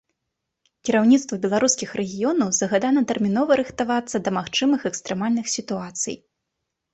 Кіраўніцтву беларускіх рэгіёнаў загадана тэрмінова рыхтавацца да магчымых экстрэмальных сітуацый.